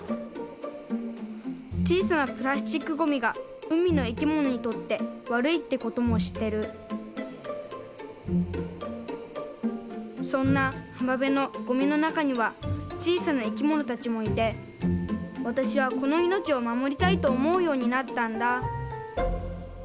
ちいさなプラスチックゴミがうみのいきものにとってわるいってこともしってるそんなはまべのゴミのなかにはちいさないきものたちもいてわたしはこのいのちをまもりたいとおもうようになったんだ